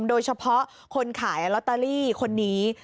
โดยเฉพาะคนขายลอตเตอรี่คนนี้